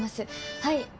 はい。